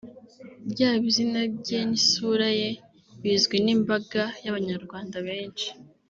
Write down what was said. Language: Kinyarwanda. ryaba izina rye n’isura ye bizwi n’imbaga y’abanyarwanda benshi